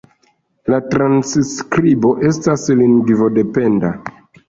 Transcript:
La transskribo estas lingvo-dependa.